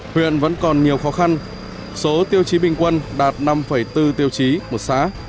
huyện vẫn còn nhiều khó khăn số tiêu chí bình quân đạt năm bốn tiêu chí một xã